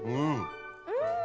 うん。